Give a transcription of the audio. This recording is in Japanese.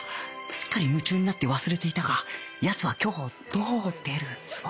すっかり夢中になって忘れていたが奴は今日どう出るつもりだ？